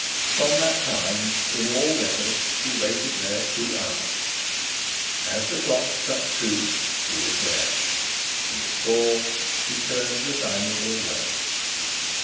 From that time, in all weathers, she waited there two hours. As the clock struck two, she was there, and at four she turned resignedly away.